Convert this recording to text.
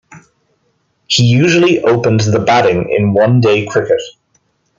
He usually opened the batting in one-day cricket.